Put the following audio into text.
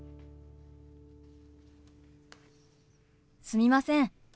すみません。